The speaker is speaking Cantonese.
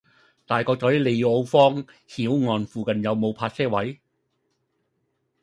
大角嘴利奧坊·曉岸附近有無泊車位？